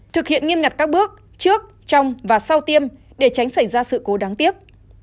thực hiện nghiêm ngặt các bước trước trong và sau tiêm để tránh xảy ra sự cố đáng tiếc